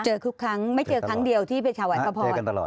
เจอทุกครั้งไม่เจอครั้งเดียวที่เป็นฉาวันพระพอร์ต